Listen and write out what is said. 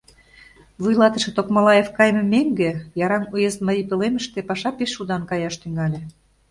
Вуйлатыше Токмалаев кайыме мӧҥгӧ, Яраҥ уезд марий пӧлемыште паша пеш удан каяш тӱҥале.